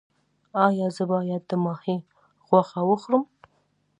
ایا زه باید د ماهي غوښه وخورم؟